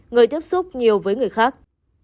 người tiếp xúc nhiều với người khác